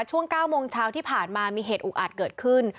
ช่วง๙โมงเช้าที่ผ่านมามีเหตุอุกอาจเกิดขึ้น